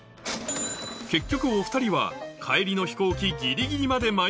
結局お２人は帰りの飛行機ギリギリまで迷い